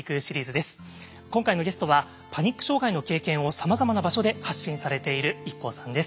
今回のゲストはパニック障害の経験をさまざまな場所で発信されているＩＫＫＯさんです。